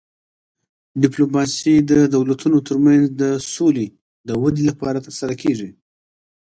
ډیپلوماسي د دولتونو ترمنځ د سولې د ودې لپاره ترسره کیږي